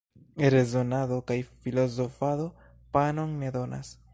Rezonado kaj filozofado panon ne donas.